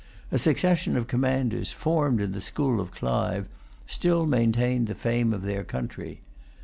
A succession of commanders, formed in the school of Clive, still maintained the fame of their country.